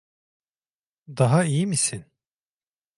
Daha iyi misin?